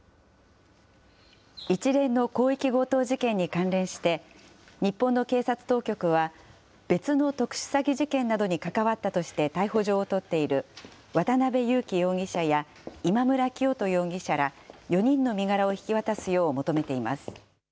一連の広域強盗事件に関連して、日本の警察当局は、別の特殊詐欺事件などに関わったとして逮捕状を取っている、渡邉優樹容疑者や、今村磨人容疑者ら４人の身柄を引き渡すよう求めています。